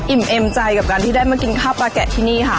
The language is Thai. เอ็มใจกับการที่ได้มากินข้าวปลาแกะที่นี่ค่ะ